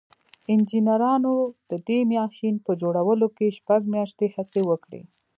انجنيرانو د دې ماشين په جوړولو کې شپږ مياشتې هڅې وکړې.